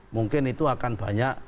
mungkin itu akan banyak